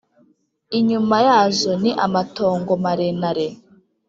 Inyuma yazo ni amatongo marenare.”